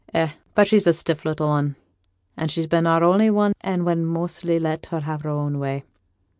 Eh! but she's a stiff little 'un; she's been our only one, and we'n mostly let her have her own way.